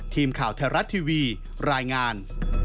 ทีมข่าวไทยรัฐทีวีรายงาน